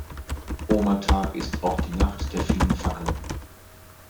Omer-Tag ist auch die Nacht der vielen Fackeln.